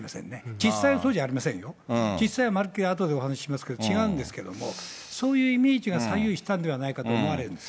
実際はそうじゃありませんよ、実際はまるっきり、あとでお話ししますけど違うんですけれども、そういうイメージが左右したのでないかと思われるんです。